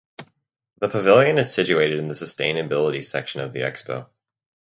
The pavilion is situated in the "Sustainability" section of the Expo.